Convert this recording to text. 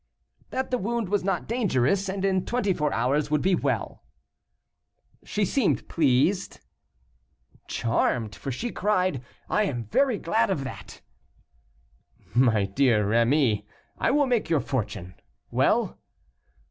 "That the wound was not dangerous, and in twenty four hours would be well." "She seemed pleased?" "Charmed; for she cried, 'I am very glad of that.'" "My dear M. Rémy, I will make your fortune. Well?"